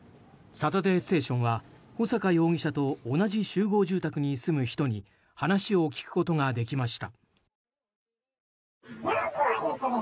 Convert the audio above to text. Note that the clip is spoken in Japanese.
「サタデーステーション」は穂坂容疑者と同じ集合住宅に住む人に話を聞くことができました。